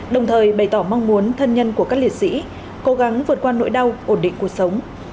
đồng thời bày tỏ mong muốn thân nhân của các liệt sĩ cố gắng vượt qua nỗi đau ổn định cuộc sống